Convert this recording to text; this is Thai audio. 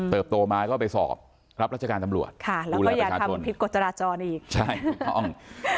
เติบโตมาก็ไปสอบรับรัชการตำรวจดูแลประชาชนแล้วก็อยากทำคลิปกฎจราจรอีก